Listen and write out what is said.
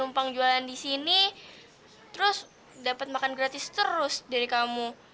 menumpang jualan di sini terus dapat makan gratis terus dari kamu